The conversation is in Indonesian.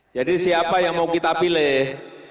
jadi siapa yang mau kita pilih